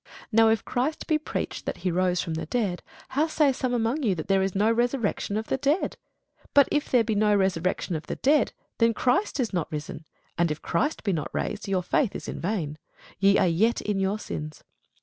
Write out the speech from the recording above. Now if Christ be preached that he rose from the dead, how say some among you that there is no resurrection of the dead? But if there be no resurrection of the dead, then is Christ not risen: and if Christ be not raised, your faith is vain; ye are yet in your sins.